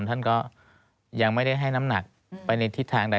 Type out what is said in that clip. ท่านก็ยังไม่ได้ให้น้ำหนักไปในทิศทางใด